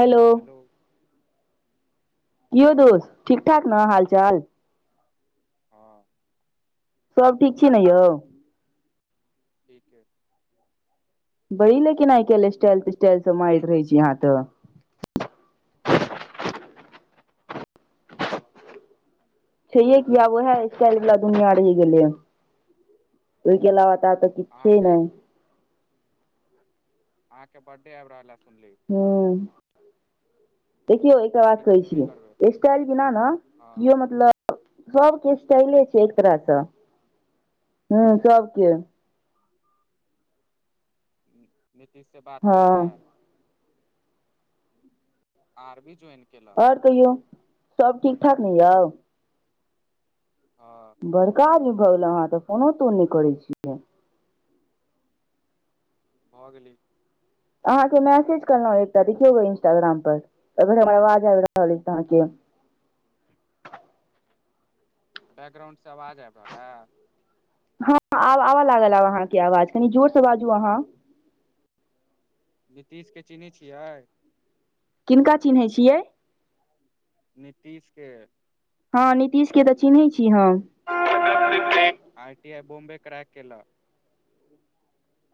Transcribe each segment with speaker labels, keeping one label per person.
Speaker 1: Hello! यौ
Speaker 2: हँ
Speaker 1: दोस ठीक ठाक ने हाल-चाल?
Speaker 2: हँ
Speaker 1: सब ठीक छी ने यौ?
Speaker 2: ठीके
Speaker 1: बड़ी लेकिन आइ कैल स्टटाइल-तस्टाइल सब मारैत रहै छिये अहाँ तऽ
Speaker 2: हूँ
Speaker 1: छैेहे कि आब उएहे
Speaker 2: अहाँके
Speaker 1: स्टाइल वला दुनिया रहि गेलैय, ओहिके अलावा तातक
Speaker 2: अहाँके अहाँके बड्डे आबि रहल या सुनली
Speaker 1: हूँ देखियौ एकर बात
Speaker 2: पार्टी
Speaker 1: कहै
Speaker 2: तऽ देबे करबै
Speaker 1: छियै स्टाइल बिना ने
Speaker 2: हँ
Speaker 1: केओ मतलब
Speaker 2: ह
Speaker 1: सबके स्टाइले छै एक तरहसँ, हॅं सबके
Speaker 2: नीतीश से बात
Speaker 1: हँ
Speaker 2: होइ हे? आर्मी जॉइन केलक
Speaker 1: आओर कहियौ सब ठीक-ठाक ने यौ?
Speaker 2: हँ
Speaker 1: बड़का आदमी भऽ गेलै अहाँ तऽ फोनो-तोन नहि करै छियै।
Speaker 2: भऽ गेलै
Speaker 1: अहाँके मैसेज कएलहु एकटा देखियौ ग इंस्टाग्राम पर अगर हमर आवाज आबि रहल अछि अहाँके
Speaker 2: बैकग्राउंड से आवाज आबि रहल हैय?
Speaker 1: हँ आबऽ आबे लागल अहाँके आवाज, कनि जोरसे बाजू अहाँ
Speaker 2: नीतीश के चिन्है छियै?
Speaker 1: किनका चिन्हैत छियै?
Speaker 2: नीतीश के!
Speaker 1: हँ, नीतीशके तऽ चिन्है छी हम
Speaker 2: R T I Bombay crack केेलक।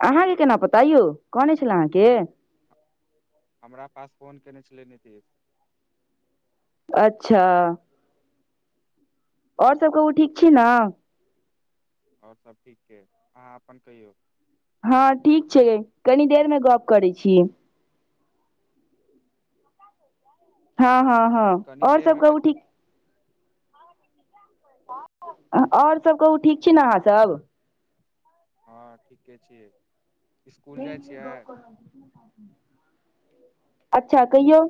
Speaker 1: अहाँके केना पता यौ? कहने छलय अहाँके?
Speaker 2: हमरा पास फोन कयने छलै नीतीश
Speaker 1: अच्छा और सब कहू, ठीक छी ने?
Speaker 2: आओर सभ ठीक छै अहाँ अपन कहियौ
Speaker 1: हँ ठीक छै, कनी देरमे गप करैत छी हँ हँ हँ,
Speaker 2: कनि
Speaker 1: आओर सब
Speaker 2: देरमे
Speaker 1: कहू ठीक आओर सब कहू ठीक छी ने अहाँ सभ?
Speaker 2: हँ ठीके छियै। स्कुल जाइ छियै
Speaker 1: अच्छा कहियउ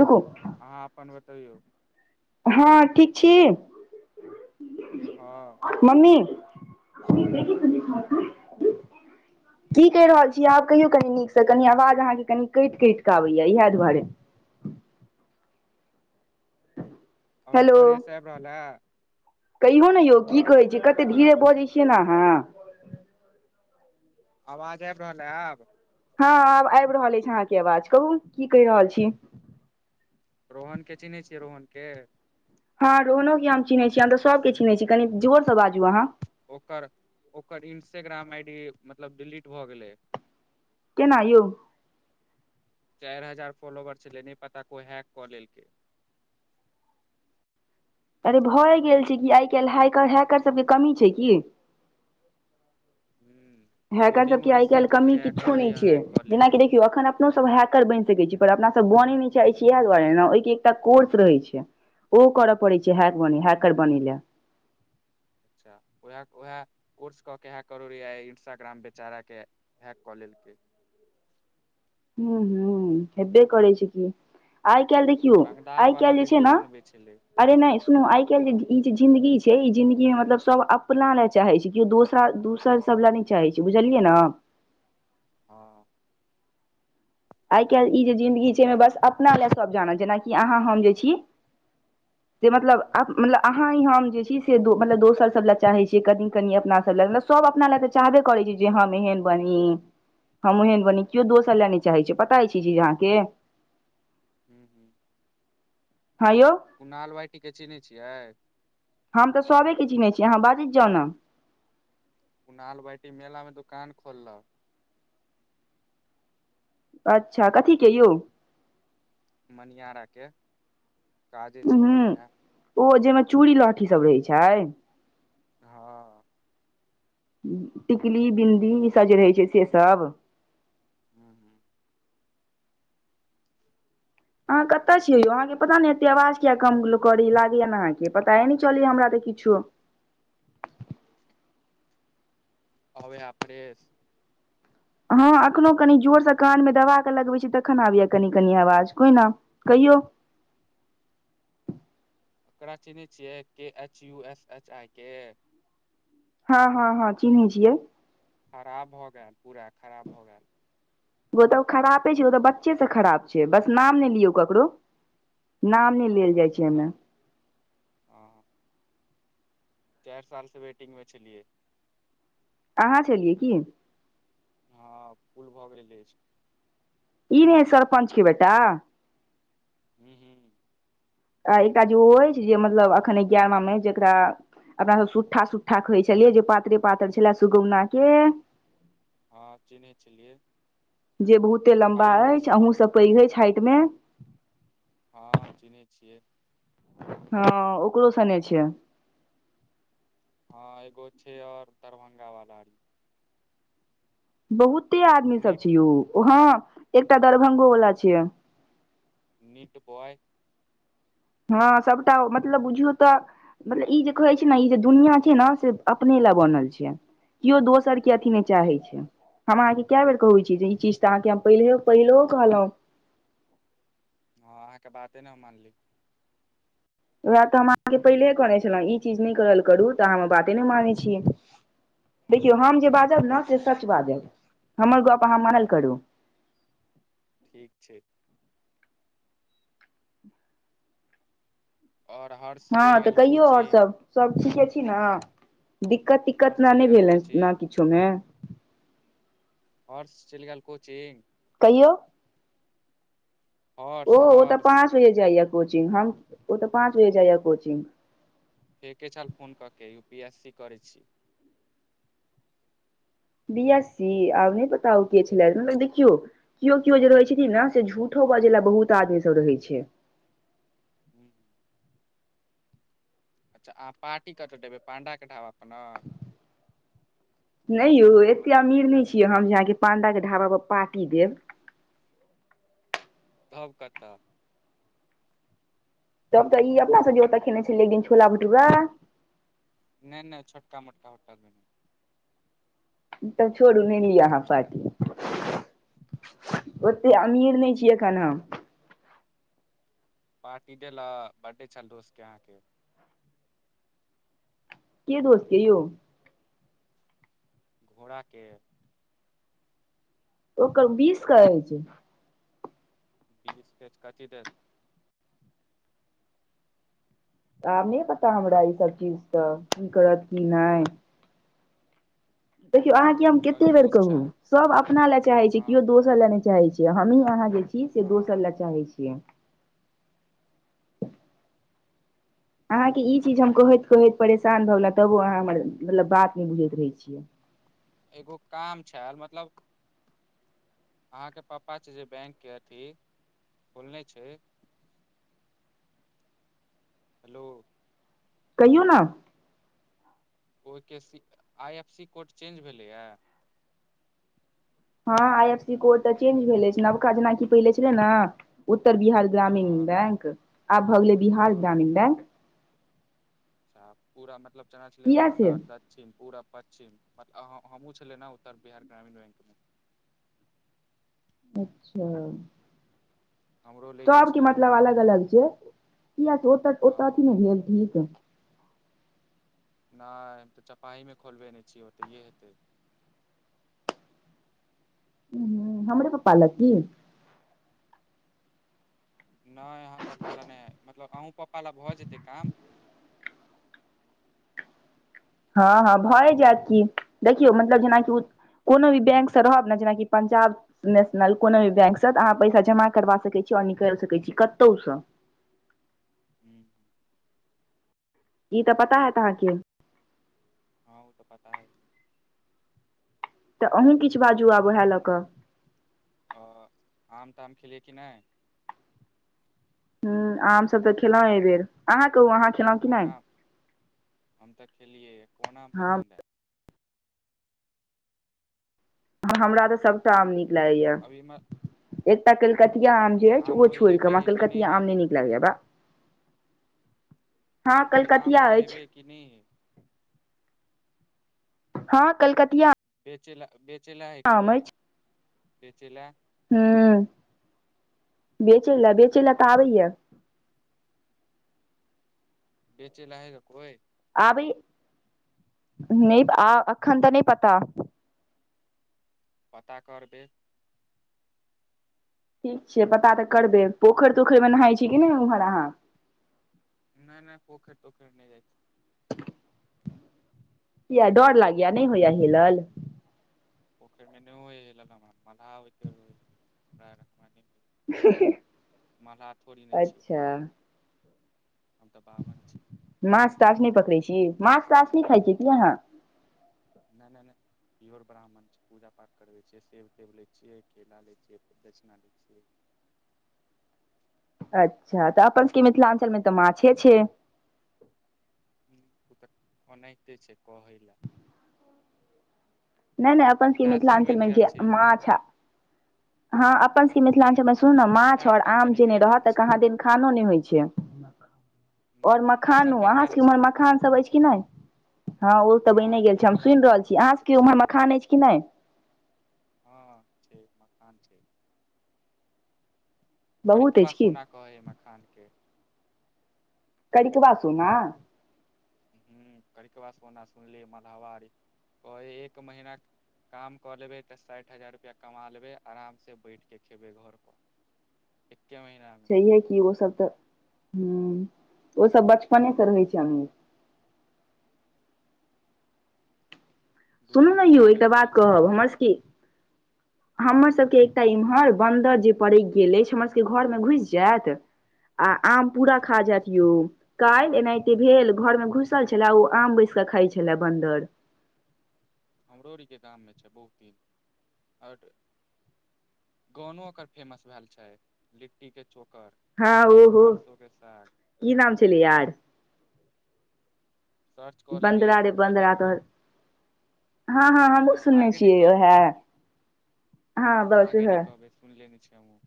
Speaker 1: रुकु
Speaker 2: अहाँ अपन बतैयउ
Speaker 1: हँ ठीक छी
Speaker 2: हँ
Speaker 1: मम्मी की कहि रहल छिय आब कहियौ कनि नीकसँ कनि आवाज अहाँके कनि कटि कटि कऽ आबैए इएह दुआरे
Speaker 2: अभी फर्रेश आइब रहल ह
Speaker 1: कहियो ने यौ की कहै छै कते धीरे बजै छियै ने आहाँ
Speaker 2: अवाज आबि रहल है आब
Speaker 1: हँ आब आइब रहल अछि अहाँके आवाज कहू की कहि रहल छी
Speaker 2: रोहनके चिन्है छियै रोहनके
Speaker 1: हँ रोहनोक के हम चिन्है छीह तऽ सबके चिन्है छी कनी जोर से बाजू अहाँ
Speaker 2: ओकर ओकर इंस्टाग्राम आई डी मतलब डिलीट भऽ गेलइ
Speaker 1: केना यउ
Speaker 2: चाइर हजार फोलोवर छलै नहि पता कोइ हैक कऽ लेलकै
Speaker 1: अरे भऽ गेल छै कि आइ काल्ह हैकर हैकर सबके कमी छै की
Speaker 2: हं
Speaker 1: हैकर
Speaker 2: कोडिंग
Speaker 1: सबके
Speaker 2: ओरी
Speaker 1: आइ काल्हि
Speaker 2: सिखल
Speaker 1: कमी
Speaker 2: एक आ
Speaker 1: किछो
Speaker 2: ओरी
Speaker 1: नहि छै
Speaker 2: ह को
Speaker 1: जेनाकि देखियौ अखन अपनो सब हैकर बइन सकै छी पर अपना सब बने नहि चाहैत छी इएह दुआरे ने ओहि के एकटा कोर्स रहै छै ओ करय पड़ै छै हैक
Speaker 2: हँ
Speaker 1: बने हैकर बनै लय
Speaker 2: अच्छा उएह उएह कोर्स कऽ के इएह कर रहियै इंस्टाग्राम बेचारा के हैक कलेल के
Speaker 1: हूँ हूँ हैबे करै छै कि आइ कैल देखि किओ
Speaker 2: रंगदार
Speaker 1: आइ
Speaker 2: वाला
Speaker 1: कैल जे छै
Speaker 2: वीडियो
Speaker 1: ने
Speaker 2: बनबै छलै
Speaker 1: अरे नइ सुनू आई कैल जे ई जे जिंदगी छै ई जिंदगी में मतलब सब अपना ले चाहै छै केओ दोसरा दोसरसभ लए नय चाहैत छै बुझलियै ने
Speaker 2: हँ
Speaker 1: आइ काल्हि ई जे जिंन्दगी छै एहिमे बस अपना ले सभ जानत जेनाकि अहाँ हम जे छी जे मतलब
Speaker 2: हूँ
Speaker 1: मतलब अहाँ ई हम जे छी से मतलब दोसर सब लय चाहे छीयै कनी कनी अपना सब लए मतलब सब अपना ल त चाहबे करइ छी जे हम एहन बनी हम ओहन बनी क्यो दोसर लेने छी चाहै छय पता हइ छै चीज अहाँके
Speaker 2: हूँ हूँ
Speaker 1: हँ यउ
Speaker 2: कुनो हालवाइटिके चीन्हे छियै
Speaker 1: हम तऽ सबके चिनहै छी अहाँ बाजैत जाउ ने
Speaker 2: उ नाल बाटी मेला में दुकान खोलक
Speaker 1: अच्छा कथीेके यउ
Speaker 2: मनिहारा के काजे छै ओकर
Speaker 1: हं
Speaker 2: उएह
Speaker 1: ओ जहिमे चूड़ी लहठी सब रहै छै
Speaker 2: हँ
Speaker 1: टिकली बिन्दी ईसभ जे रहै छै से सब
Speaker 2: हूँ हूँ
Speaker 1: अहाँ कतअ छीयै यौ अहाँके पता ने एते आवाज किया कम करी लागैया ने अहाँके पताे न चलया हमरा तऽ किछो
Speaker 2: आबइ फ्रेश
Speaker 1: हँ अखनो कनि जोरसँ कान में दबा कऽ लगबै छी तखन आबिय कनि कनि आवाज कोइ ने कहियउ
Speaker 2: ओकरा चिन्है छियै कि H U S H I के
Speaker 1: हँ हँ हँ चिन्है छियै
Speaker 2: खराब भऽ गेल पूरा खराब भऽ गेल।
Speaker 1: ओ तऽ खरापे छैय ओ तऽ बच्चे से खराब छैय बस नाम नहि लियौ ककरो। नाम नहि
Speaker 2: हँ
Speaker 1: लेल जाइ
Speaker 2: हँ
Speaker 1: छै
Speaker 2: मतलब
Speaker 1: एहिमे
Speaker 2: हँ। चारि साल से वेटिंग मे छेलियै।
Speaker 1: आहाँ छेलियै की?
Speaker 2: हँ फूल भऽ गेल अछि।
Speaker 1: ई रहै सरपञ्च क बेेटा?
Speaker 2: हू हू
Speaker 1: आ एकटा जे ओ अछि जे मतलब अखन एगारहवाँमे जकरा अपना सब सुट्ठा सुट्ठा कहै छलियै जे पातरे पातर छलै सुगौना के
Speaker 2: हँ चीनहै छलियै।
Speaker 1: जे बहुते लम्बा
Speaker 2: आयुष
Speaker 1: अछि अहूँसे पैघ अछि हाइट मे।
Speaker 2: हँ चिनहै छियै।
Speaker 1: हँ ओकरो सने छियै।
Speaker 2: हँ एगो छैय और दरभंगा वाला
Speaker 1: बहुते आदमी सब
Speaker 2: नीट
Speaker 1: छैय यौ ओहाँ एकटा दरभंगो वाला छियै।
Speaker 2: नीट बॉय
Speaker 1: हँ सबटा मतलब बुझियौ तऽ मतलब ई जे कहै छैय ने ई जे दुनियां छैय ने से अपने लए बनल छियै। केओ दोसर के
Speaker 2: हूँ
Speaker 1: अथी नहि
Speaker 2: हूँ
Speaker 1: चाहै छैय हम अहाँके कय बेर कहु ई चीज ई
Speaker 2: हूँ
Speaker 1: चीज त आहाके हम पहिले पहिलो कहलहुँ।
Speaker 2: हँ अहाँके बाते नहि हम मानली।
Speaker 1: वैह तऽ हम अहाँके पहिलेहे कहने छलहुँं ई चीज नहि करल करू तऽ अहाँ बाते नहि मानै छीयै। देखियौ हम जे बाजब ने से सच बाजब हमर गप अहाँ मानल
Speaker 2: हँ
Speaker 1: करू।
Speaker 2: ठीक छैय। और हर
Speaker 1: हँ तऽ कहियौ आओर सब सब ठीके छी ना? दिक्कत तिक्कत
Speaker 2: हर्ष
Speaker 1: न
Speaker 2: चलि
Speaker 1: ने
Speaker 2: गेल
Speaker 1: भेल ना
Speaker 2: कोचिंग
Speaker 1: किछो मे?
Speaker 2: हर्स चलि गेल कोचिंग?
Speaker 1: कहियौ
Speaker 2: हर्ष
Speaker 1: ओ ओ तऽ
Speaker 2: हर्ष
Speaker 1: पाँच बजे जाइया कोचिंग हम ओ तऽ पाँच बजे जाइया कोचिंग।
Speaker 2: फेके छल फोन कऽ के यू पी एस सी करै छी।
Speaker 1: बी एस सी आब नहि पता उ के छलै मतलब देखियौ केओ केओ जे रहै छथिन ने से झूठो बजेला बहुत आदमी सब रहै छैय।
Speaker 2: हू अच्छा अहाँ पार्टी कत देबै पाण्डा के ढाबा पे ना?
Speaker 1: नहि यौ एते अमीर नहि छियै हम जे अहाँके पांडा के ढाबा पर पार्टी देब।
Speaker 2: तब कतऽ?
Speaker 1: तब तऽ ई अपना सब ओतऽ खेने छलियै एकदिन छोला भटूरा
Speaker 2: नहि नहि छोटका मोटका होटल मे नहि।
Speaker 1: तब छोड़ू नहि लिय अहाँ पार्टी। ओते अमीर नहि छियै अखैन हम।
Speaker 2: पार्टी देलक बर्थडे छल दोस्तके अहाँके।
Speaker 1: के दोस्तके यौ?
Speaker 2: घोड़ाके
Speaker 1: ओकर बीसके अछि।
Speaker 2: [unintelligible] कथी देत?
Speaker 1: आब नहि पता हमरा ईसभ चीज त की करत की नहि। देखियौ अहाँके हम कते बेर
Speaker 2: कंजूस
Speaker 1: कहू
Speaker 2: छै
Speaker 1: सब अपना लए चाहै छैय
Speaker 2: हँ
Speaker 1: केओ दोस्त दोसर लए नहि चाहै छियै हमही अहाँ जे छी से दोसर लए
Speaker 2: हँ
Speaker 1: चाहै छियै। अहाँके ई चीज हम कहैत कहैत परेशान भगेल तबो अहाँ हमर मतलब बात नहि बुझैत रहै छियै
Speaker 2: एगो काम छल मतलब अहां के पापा छै जे बैंक के अथी खोलने छै हेलो
Speaker 1: कहियौ ना
Speaker 2: ओहिके I F C code change भेलैए
Speaker 1: हँ आई एफ सी कोड तऽ चेंज भेले अछि नबका जेनाकि पहिले छले न उत्तर बिहार ग्रामीण
Speaker 2: हँ
Speaker 1: बैंक आब भऽ गेलै बिहार
Speaker 2: हँ
Speaker 1: ग्रामीण बैंक
Speaker 2: अच्छा पूरा मतलब जेना छलै
Speaker 1: किया से
Speaker 2: उत्तर दक्षिण पूरब पश्चिम मतलब हमहुँ छलै ने उत्तर बिहार ग्रामीण बैंकमे
Speaker 1: अच्छा
Speaker 2: हमरो लैके
Speaker 1: सबके
Speaker 2: छलै
Speaker 1: मतलब अलग अलग छै किया त ओत अथी
Speaker 2: हँ
Speaker 1: नहि भेल ठीक
Speaker 2: नहि हम तऽ चपाइमे खोलबे नहि छियै ओतहिए हेतै
Speaker 1: हू हमरे पापा लकी
Speaker 2: नहि अहाँ पापा लए नहि मतलब अहुँ पापा लए भऽ जेतै काम
Speaker 1: हँ हँ भए जायत क देखियौ मतलब जेनाकि कोनो भी बैंकसँ रहब ने जेनाकि पंजाब नेशनल कोनो भी बैंक से तऽ अहाँ पैसा जमा करवा सकैत छी आओर निकलि सकैत छी कतहुसँ
Speaker 2: हूँ
Speaker 1: ई तऽ पता हयत अहाँके
Speaker 2: हँ ओ तऽ पता ह
Speaker 1: तऽ अहूँ किछु बाजू आब उएह लऽ कऽ
Speaker 2: ओ आम ताम खेलियै कि नहि
Speaker 1: ह आम सब तऽ खेलों एहि बेर अहाँ कहु अहाँ खेलहुँ कि
Speaker 2: कोन
Speaker 1: नहि
Speaker 2: आम हम तऽ खेलियै कोन आम
Speaker 1: हँ
Speaker 2: पसन्द हय
Speaker 1: हमरा त सबटा आम नीक लागे या
Speaker 2: अभी
Speaker 1: एकटा कलकतिया आम जे ओह
Speaker 2: मूड़ी
Speaker 1: छोड़ के
Speaker 2: हेबे
Speaker 1: हमरा
Speaker 2: हइ कि
Speaker 1: कलकतिया
Speaker 2: हे
Speaker 1: आम नहि नीक लागिय बा हँ
Speaker 2: अभी आम
Speaker 1: कलकतिया
Speaker 2: ओरी
Speaker 1: अछि
Speaker 2: हेबै कि नहि
Speaker 1: हँ कलकतििया
Speaker 2: बेचेलय बेचेलय ह कोय बेचेलय
Speaker 1: ह बेचै लए बेचै लए तऽ आबैय
Speaker 2: बेचै ल आबे हय कोइ
Speaker 1: आबै नहि अखन तऽ नहि पता
Speaker 2: पता करबै
Speaker 1: ठीक छै पता तऽ करबै पोखरि तोखरि मे नहााय छी कि नहि उम्हर अहाँ
Speaker 2: नहि नहि पोखेर तोखेर नहि जाइ छै
Speaker 1: किया डर लागैया नहि होइया हेलल
Speaker 2: पोखरिमे नहि होइय हमरा मल्लाह और के होइ हे मल्लाह थोड़ी ने छियै
Speaker 1: अच्छा
Speaker 2: हम हम तऽ बाभन छी
Speaker 1: माछ ताास नहि पकड़े छी माछ ताास न नहि खायइ छी की यहाँ
Speaker 2: नहि नहि नहि ईहोर ब्राह्मण छै पूजा पाठ करबै छियै सेब तव लै छियै केला लै छियै फेर दक्षिणा लै छियै
Speaker 1: अच्छा तऽ अपन सबके मिथिलाञ्चल मे तऽ माछे छै
Speaker 2: ओ तऽ ओनाहिते छै कहै लए
Speaker 1: नहि नहि अपन
Speaker 2: फैशन
Speaker 1: मिथिलाञ्चल
Speaker 2: बनि
Speaker 1: मे
Speaker 2: गेल
Speaker 1: जे
Speaker 2: छै यौ
Speaker 1: माछ हँ अपन सबके
Speaker 2: नहि
Speaker 1: मिथिलाञ्चल मे
Speaker 2: नहि
Speaker 1: सुनू ने माछ आओर
Speaker 2: फैशन
Speaker 1: आम
Speaker 2: कनि
Speaker 1: जेने
Speaker 2: बनि
Speaker 1: रहत
Speaker 2: गेल
Speaker 1: तऽ
Speaker 2: छै
Speaker 1: कहाँ दिन खानो नहि होइ छै आओर मखानो
Speaker 2: फैशन बनि
Speaker 1: अहाँ
Speaker 2: गेल
Speaker 1: सभके इम्हर
Speaker 2: छै
Speaker 1: मखान सभ अछि कि नहि हँ ओ तऽ बने
Speaker 2: हँ
Speaker 1: गेल छै हम
Speaker 2: मलाह
Speaker 1: सुनि रहल छी
Speaker 2: हँ
Speaker 1: अहाँ
Speaker 2: तऽ
Speaker 1: सब उम्हर
Speaker 2: छियै
Speaker 1: मखान अछि कि नहि
Speaker 2: हँ छै मकान छै
Speaker 1: बहुत
Speaker 2: करिकबा
Speaker 1: अछि की
Speaker 2: सोना कहै हए मखान के
Speaker 1: करिकबा सोना
Speaker 2: हूँ करिकबा सोना सुनली मलहावा आरी कहय हए एक महीना काम कऽ लेबै तऽ साठि हजार रुपैआ कमा लेबै आरामसँ बैठके खेबय घरपर एके महिना
Speaker 1: कियेकि ओ सब तऽ हम्म ओ सब बचपने स रहै छै अमिर
Speaker 2: दू
Speaker 1: सुनू
Speaker 2: दू
Speaker 1: ने
Speaker 2: बीघा
Speaker 1: यौ
Speaker 2: मे
Speaker 1: एकटा बात
Speaker 2: करै छै
Speaker 1: कहब हमर
Speaker 2: मकान
Speaker 1: सब की हमर सबके एकटा इम्हर बन्दर जे पड़कि गेल अछि हमर सबके घरमे घुसि जायत आ आम पूरा
Speaker 2: हूँ
Speaker 1: खा
Speaker 2: हमरो
Speaker 1: जायत यौ काल्हि एनाहिते भेल घरमे घुसल छलए ओ आम बैस क खाइत छले बन्दर
Speaker 2: हमरो आरि के गाममे छै बहुते आओर गानो ओकर फेमस भेल छै लिट्टीके चोकर
Speaker 1: हँ ओहो
Speaker 2: सरसो के साग
Speaker 1: की नाम छलै यार
Speaker 2: सर्च कऽ लेबै
Speaker 1: बन्दरा रे
Speaker 2: यूट्यूब पर
Speaker 1: बन्दरा
Speaker 2: देखबै
Speaker 1: तोहर हँ हँ हमहुं सुनने
Speaker 2: आगे नहि
Speaker 1: छियै
Speaker 2: कहबै
Speaker 1: वैहै हँ बस वैहै
Speaker 2: सुन लेने छी हमहुं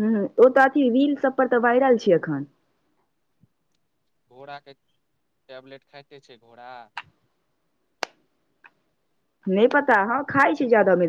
Speaker 1: हं ओ तऽ अथी रील सब पर तऽ वायरल छै एखन
Speaker 2: घोड़ाके टेबलेट खाइते छै घोड़ा
Speaker 1: नहि पता हँ खाइ छै जादा बेर